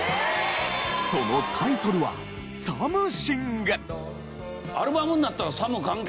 そのタイトルは『サムシング』！